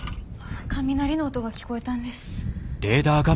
雷の音が聞こえたんです。